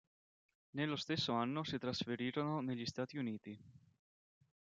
Nello stesso anno si trasferirono negli Stati Uniti.